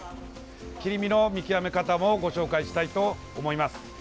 切り身の見極め方もご紹介したいと思います。